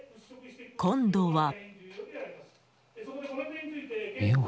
今度は。